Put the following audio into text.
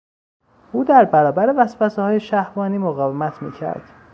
او در برابر وسوسههای شهوانی مقاومت میکرد.